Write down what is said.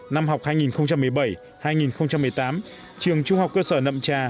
năm học hai nghìn một mươi bảy hai nghìn một mươi tám trường trung học cơ sở nậm trà